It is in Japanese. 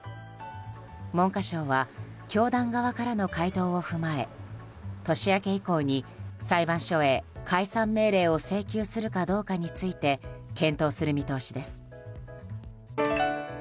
文科省は教団側からの回答を踏まえ年明け以降に裁判所へ解散命令を請求するかどうかについて検討する見通しです。